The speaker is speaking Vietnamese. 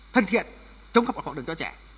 thân thiện chống gặp mọi khóa đường cho trẻ